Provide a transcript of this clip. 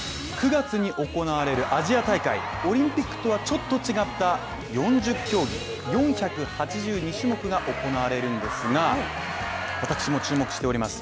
９月に行われるアジア大会、オリンピックとはちょっと違った４０競技４８２種目が行われるんですが、私も注目しております